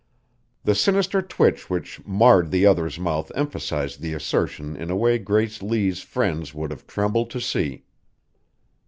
The sinister twitch which marred the other's mouth emphasized the assertion in a way Grace Lee's friends would have trembled to see.